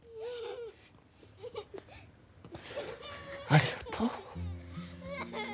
ありがとう。